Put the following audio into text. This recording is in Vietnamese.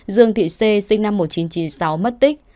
dương thị xê sinh năm một nghìn chín trăm chín mươi sáu mất tích